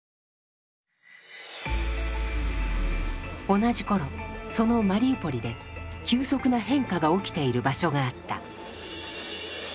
同じ頃そのマリウポリで急速な変化が起きている場所があった。